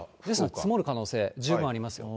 積もる可能性、十分あります。